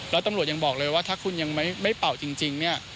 แล้วตำรวจยังบอกเลยว่าถ้าคุณยังไม่เป่าจริงเนี่ย